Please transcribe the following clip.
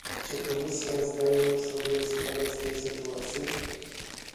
Czy Komisja zdaje sobie sprawę z tej sytuacji?